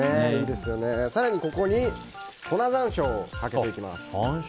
更に、ここに粉山椒をかけていきます。